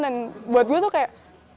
dan buat gue tuh kayak